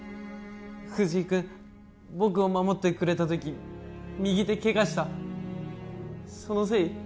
藤井君僕を守ってくれた時右手ケガしたそのせい？